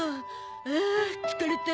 ああ疲れた。